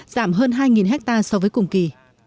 giảm hơn hai ha so với cùng kỳ